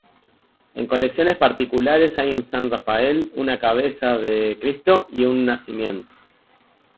En colecciones particulares hay un San Rafael, una cabeza de Cristo y un Nacimiento.